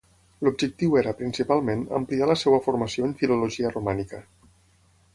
L'objectiu era, principalment, ampliar la seva formació en filologia romànica.